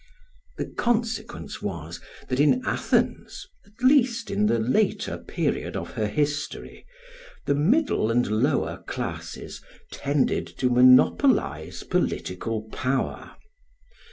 The consequence was that in Athens, at least in the later period of her history, the middle and lower classes tended to monopolise political power.